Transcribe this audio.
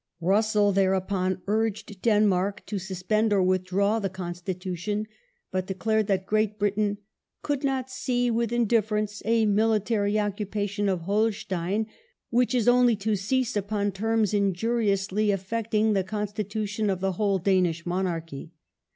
Russell, thereupon, urged Denmark to suspend or withdraw the Constitution, but declared that Great Britain " could not see with indifference a military occupation of Holstein which is only to cease upon terms inj uriously affecting the Constitution of the whole Danish Monarchy".